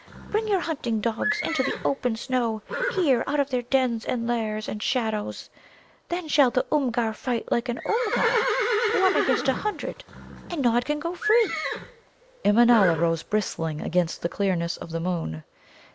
Bring your hunting dogs into the open snow here out of their dens and lairs and shadows. Then shall the Oomgar fight like an Oomgar, one against a hundred, and Nod can go free!" Immanâla rose bristling against the clearness of the moon.